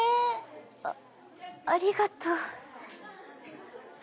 あありがとう。